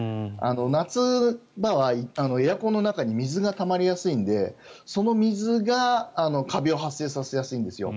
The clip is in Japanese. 夏場はエアコンの中に水がたまりやすいのでその水がカビを発生させやすいんですよ。